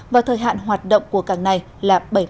và thời hạn hoạt động của cảng này là bảy mươi